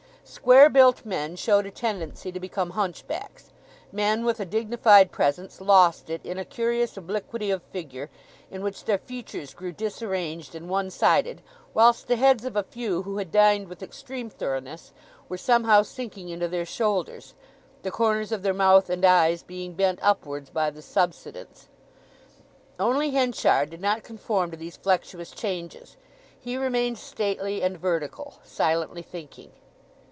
Square built men showed a tendency to become hunchbacks; men with a dignified presence lost it in a curious obliquity of figure, in which their features grew disarranged and one sided, whilst the heads of a few who had dined with extreme thoroughness were somehow sinking into their shoulders, the corners of their mouth and eyes being bent upwards by the subsidence. Only Henchard did not conform to these flexuous changes; he remained stately and vertical, silently thinking.